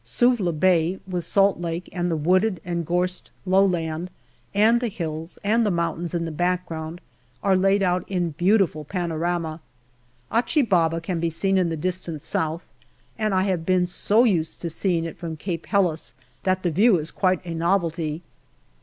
Suvla Bay, with Salt Lake and the wooded and gorsed low land and the hills and the mountains in the background, are laid out in beautiful panorama. Achi Baba can be seen in the distance south, and I have been so used to seeing it from Cape Helles that the view is quite a novelty.